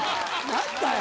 何だよ！